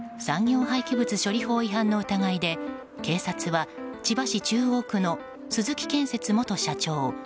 産業廃棄物処理法違反の疑いで警察は千葉市中央区の鈴木建設元社長